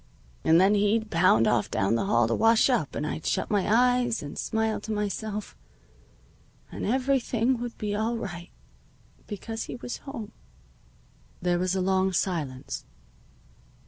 "And then he'd pound off down the hall to wash up, and I'd shut my eyes, and smile to myself, and everything would be all right, because he was home." There was a long silence.